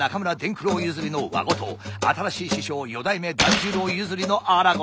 九郎譲りの和事新しい師匠四代目團十郎譲りの荒事